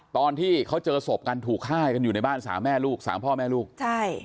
ตอนที่เขาเจอศพกันถูกฆ่ากันอยู่ในบ้านสามแม่ลูกสามพ่อแม่ลูกใช่